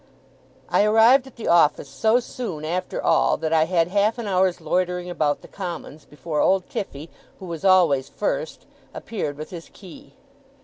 I arrived at the office so soon, after all, that I had half an hour's loitering about the Commons, before old Tiffey, who was always first, appeared with his key.